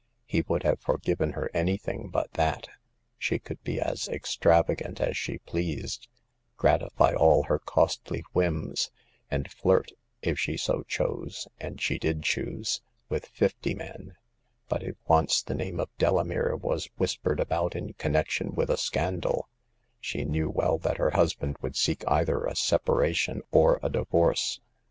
He would have forgiven her any thing but that. She could be as extravagant as she pleased ; gratify all her costly whims ; and flirt— if she so chose, and she did choose — with fifty men ; but if once the name of Delamere was whispered about in connection with a scan dal, she knew well that her husband would seek either a separation or a divorce.